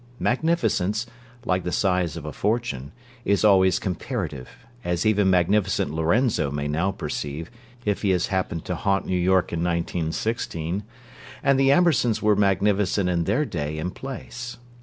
Magnificence, like the size of a fortune, is always comparative, as even Magnificent Lorenzo may now perceive, if he has happened to haunt New York in 1916; and the Ambersons were magnificent in their day and place.